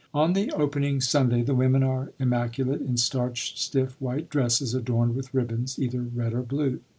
On the opening Sunday the women are immaculate in starched stiff white dresses adorned with ribbons, either red or blue.